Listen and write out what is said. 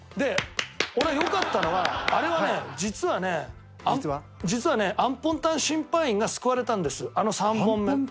俺、良かったのはあれはね、実はね実はね、あんぽんたん審判員が救われたんですあの３本目。